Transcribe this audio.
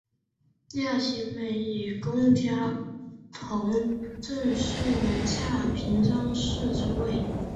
夏行美以功加同政事门下平章事之位。